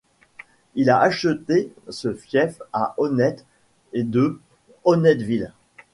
Il a acheté ce fief à Honnet de Honneteville.